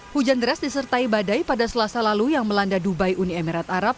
hujan deras disertai badai pada selasa lalu yang melanda dubai uni emirat arab